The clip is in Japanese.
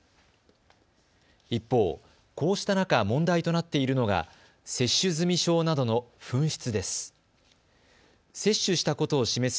一方、こうした中、問題となっているのが接種済証などの紛失です。